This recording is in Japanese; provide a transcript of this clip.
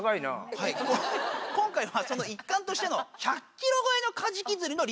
はい今回はその一環としての１００ｋｇ超えのカジキ釣りのリベンジ。